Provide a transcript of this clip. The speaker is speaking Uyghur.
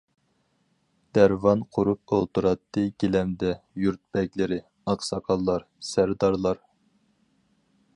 دەۋران قۇرۇپ ئولتۇراتتى گىلەمدە، يۇرت بەگلىرى، ئاقساقاللار، سەردارلار.